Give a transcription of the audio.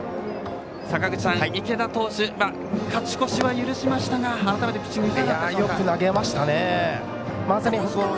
坂口さん、池田投手勝ち越しは許しましたが改めてピッチングいかがでしたでしょうか。